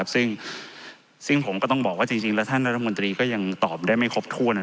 ซึ่งผมก็ต้องบอกว่าจริงแล้วท่านรัฐมนตรีก็ยังตอบได้ไม่ครบถ้วน